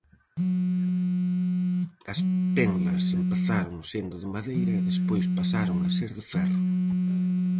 As penlas empezaron sendo de madeira e despois pasaron a ser de ferro.